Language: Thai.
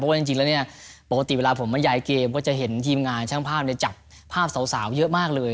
ว่าจริงแล้วเนี่ยปกติเวลาผมมาย้ายเกมก็จะเห็นทีมงานช่างภาพเนี่ยจับภาพสาวเยอะมากเลย